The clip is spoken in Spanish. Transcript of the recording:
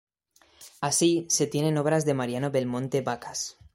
Así, se tienen obras de Mariano Belmonte Vacas.